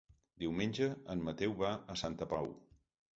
Diumenge en Mateu va a Santa Pau.